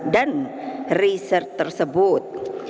dan riset tersebut